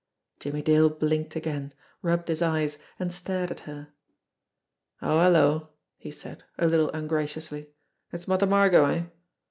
Jimmie Dale blinked again, rubbed his eyes, and stared at her. "Oh, hello!" he said, a little ungraciously. "It's Mother Margot, eh